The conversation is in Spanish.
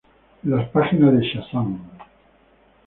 En las páginas de "Shazam!